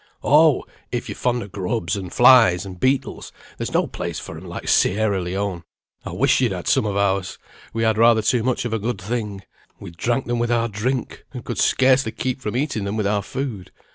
"Oh! if you are fond of grubs, and flies, and beetles, there's no place for 'em like Sierra Leone. I wish you'd had some of ours; we had rather too much of a good thing; we drank them with our drink, and could scarcely keep from eating them with our food.